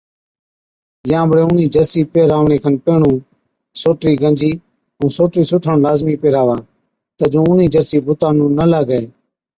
يان بڙي اُونِي جرسِي پيهراوڻي کن پيهڻُون سوٽرِي گنجِي ائُون سوٽرِي سُوٿڻ لازمِي پيهراوا تہ جُون اُونِي جرسِي بُتا نُون نہ لاگَي۔